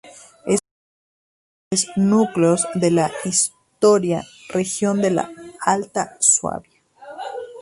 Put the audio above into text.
Es uno de los principales núcleos de la histórica región de la Alta Suabia.